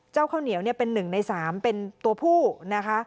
ข้าวเหนียวเป็น๑ใน๓เป็นตัวผู้นะคะ